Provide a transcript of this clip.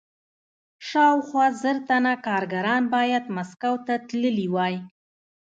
شاوخوا زر تنه کارګران باید مسکو ته تللي وای